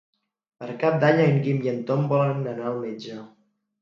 Per Cap d'Any en Guim i en Tom volen anar al metge.